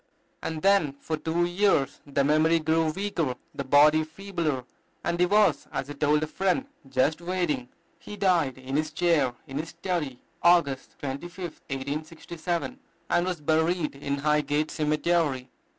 And then for two years the memory grew weaker, the body feebler, and he was, as he told a friend, "just waiting." He died in his chair in his study, August 25th, 1867, and was buried in Highgate Cemetery.